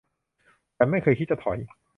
ฉันไม่เคยคิดจะถอย